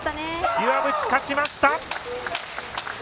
岩渕勝ちました。